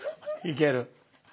いける！